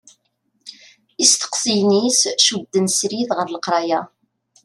Isteqsiyen-is cudden srid ɣer leqraya.